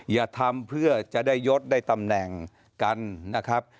อย่าทำเพื่อจะได้ยดได้ตำแหน่งกันนะครับ